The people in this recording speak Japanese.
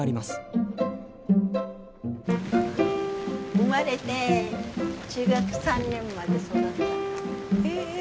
生まれて中学３年まで育った家。